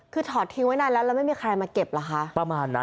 คือถอดทิ้งไว้นานแล้วแล้วไม่มีใครมาเก็บเหรอคะ